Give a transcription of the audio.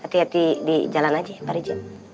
hati hati di jalan aja pak rigid